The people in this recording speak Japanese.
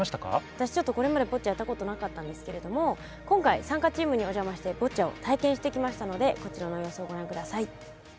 わたしこれまでボッチャやったことなかったんですけれども今回さんかチームにおじゃましてボッチャをたいけんしてきましたのでこちらの様子をごらんください。